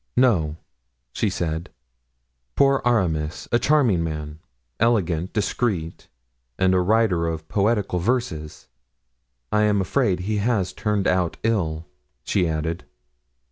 "No," she said; "poor Aramis; a charming man, elegant, discreet, and a writer of poetical verses. I am afraid he has turned out ill," she added.